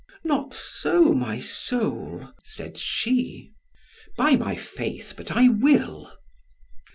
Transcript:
"Not so, my soul," said she. "By my faith, but I will."